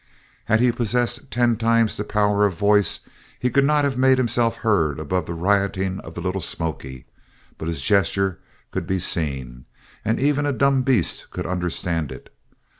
Had he possessed ten times the power of voice he could not have made himself heard above the rioting of the Little Smoky but his gesture could be seen, and even a dumb beast could understand it.